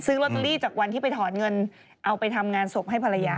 ลอตเตอรี่จากวันที่ไปถอนเงินเอาไปทำงานศพให้ภรรยา